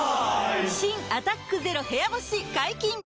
新「アタックＺＥＲＯ部屋干し」解禁‼